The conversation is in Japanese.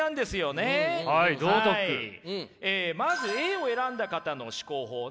まずＡを選んだ方の思考法ね。